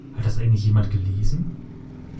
Hat das eigentlich jemand gelesen?